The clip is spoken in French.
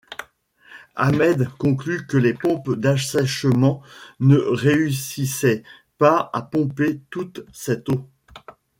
Ahmed conclut que les pompes d’assèchement ne réussissaient pas à pomper toute cette eau.